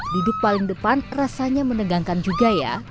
duduk paling depan rasanya menegangkan juga ya